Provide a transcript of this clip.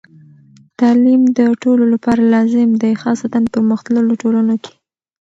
تعلیم د ټولو لپاره لازمي دی، خاصتاً پرمختللو ټولنو کې.